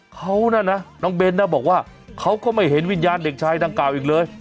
เขาน่ะนะน้องเบ้นนะบอกว่าเขาก็ไม่เห็นวิญญาณเด็กชายดังกล่าวอีกเลย